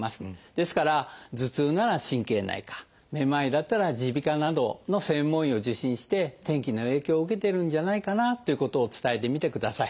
ですから頭痛なら神経内科めまいだったら耳鼻科などの専門医を受診して天気の影響を受けているんじゃないかなということを伝えてみてください。